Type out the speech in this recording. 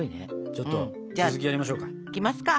ちょっと続きやりましょうか。いきますか。